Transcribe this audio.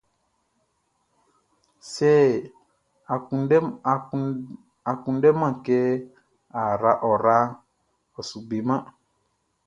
Sɛ a kunndɛman kɛ ɔ raʼn, ɔ su beman.